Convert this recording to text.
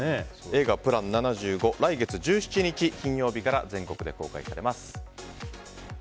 映画「ＰＬＡＮ７５」は来月１７日金曜日から全国で公開されます。